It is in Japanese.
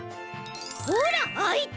ほらあいた！